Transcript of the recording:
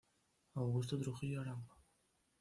Augusto Trujillo Arango.